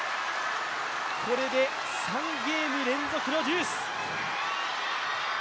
これで３ゲーム連続のジュース。